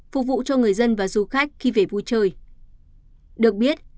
phục vụ cho người dân và du khách khi về vui chơi